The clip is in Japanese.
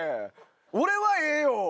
俺はええよ！